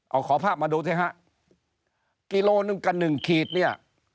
เอาขอภาพมาดูสิฮะกิโลหนึ่งกับหนึ่งขีดเนี่ย